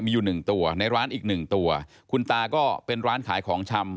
มีอยู่หนึ่งตัวในร้านอีกหนึ่งตัวคุณตาก็เป็นร้านขายของชำ